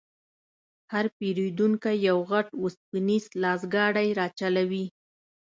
هر پېرونکی یو غټ وسپنیز لاسګاډی راچلوي.